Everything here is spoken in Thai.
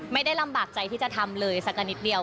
ไม่ได้ลำบากใจที่จะทำเลยสักกันนิดเดียว